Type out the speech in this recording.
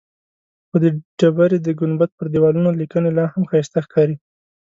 خو د ډبرې د ګنبد پر دیوالونو لیکنې لاهم ښایسته ښکاري.